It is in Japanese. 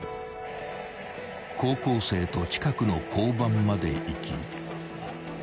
［高校生と近くの交番まで行き］